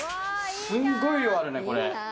すんごい量あるねこれ。